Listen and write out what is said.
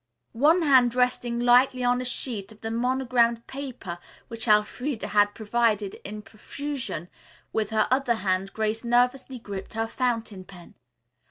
One hand resting lightly on a sheet of the monogrammed paper which Elfreda had provided in profusion, with her other hand Grace nervously gripped her fountain pen.